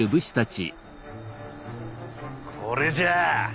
これじゃ！